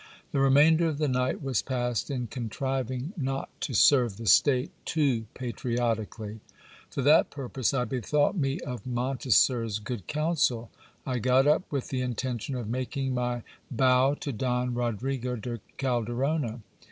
The remainder of the night was passed in contriving not to serve the state too patriotically. For that purpose I bethought me of Mon teser's good counsel. I got up with the intention of making my bow to Don II GIL BLAS PA YS COURT TO SIGXOR CALDERONA. 283 Rodrigo de Calderona.